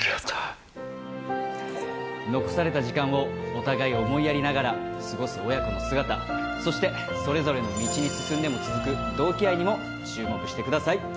残された時間をお互い思いやりながら過ごす親子の姿、そして、それぞれの道に進んでも続く同期愛にも注目してください。